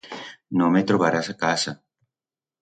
No me trobarás a casa.